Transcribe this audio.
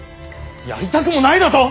やりたくもないだと。